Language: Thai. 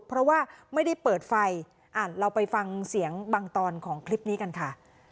เพราะว่าไม่ได้เปิดไฟเราไปฟังเสียงบางตอนของคลิปนี้กันค่ะ